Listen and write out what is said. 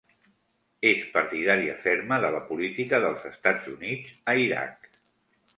És partidària ferma de la política dels Estats Units a Iraq.